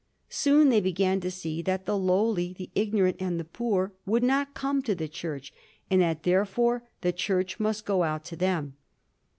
Soon they began to see that the lowly, the igno rant, and the poor would not come to the Church, and that, therefore, the Church must go out to them.